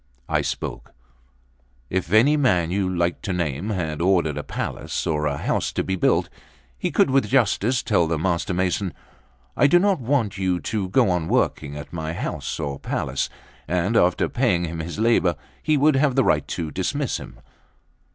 I spoke: "If any man you like to name had ordered a palace or a house to be built, he could with justice tell the master mason:'I do not want you to go on working at my house or palace;' and after paying him his labour, he would have the right to dismiss him.